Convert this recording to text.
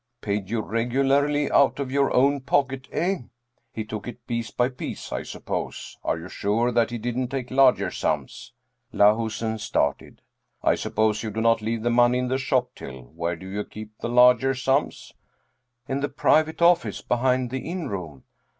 Paid you regularly out of your own pocket eh! He took it piece by piece, I suppose are you sure that he didn't take larger sums?" Lahusen started. " I suppose you do not leave the money in the shop till. Where do you keep the larger sums ?"" In the private office behind the inn room."